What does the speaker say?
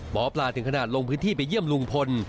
หมอปลาถึงขนาดลงพื้นที่ไปเยี่ยมลุงพล